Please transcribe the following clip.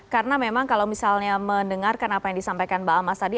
karena memang kalau misalnya mendengarkan apa yang disampaikan mbak almas tadi